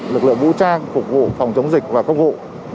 lực lượng vũ trang phục vụ phòng chống dịch và công vụ